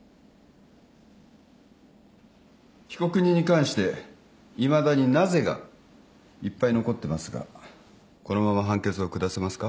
被告人に関していまだに「なぜ」がいっぱい残ってますがこのまま判決を下せますか。